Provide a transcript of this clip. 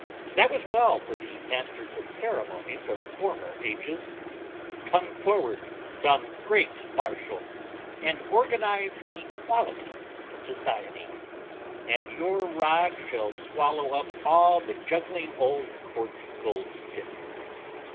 that was well for the masters of ceremonies of former ages. Come forward, some great marshal, and organize Equality in society, and your rod shall swallow up all the juggling old court goldsticks.